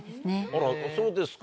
あらそうですか。